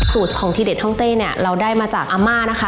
สูตรของทีเด็ดห้องเต้เนี่ยเราได้มาจากอาม่านะคะ